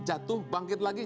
jatuh bangkit lagi